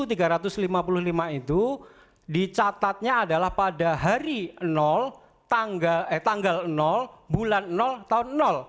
yang kelima yang berjumlah satu tiga ratus ribu itu dicatatnya adalah pada hari tanggal bulan tahun